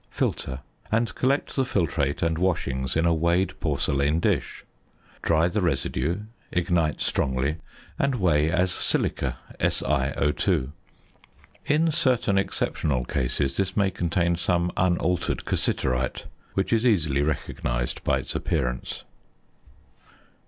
Filter; and collect the filtrate and washings in a weighed porcelain dish. Dry the residue, ignite strongly, and weigh as silica, SiO_. In certain exceptional cases this may contain some unaltered cassiterite, which is easily recognised by its appearance.